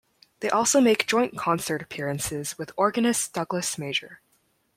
They also make joint concert appearances with organist Douglas Major.